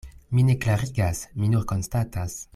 Mi ne klarigas, mi nur konstatas.